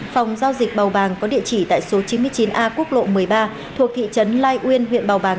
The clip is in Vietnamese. phòng giao dịch bào bàng có địa chỉ tại số chín mươi chín a quốc lộ một mươi ba thuộc thị trấn lai uyên